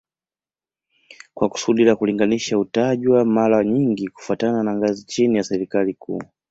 Kwa kusudi la kulinganisha hutajwa mara nyingi kufuatana na ngazi chini ya serikali kuu